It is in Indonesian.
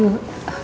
kamu sendiri kenapa